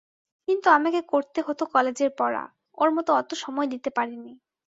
কিন্তু আমাকে করতে হত কলেজের পড়া, ওর মতো অত সময় দিতে পারি নি।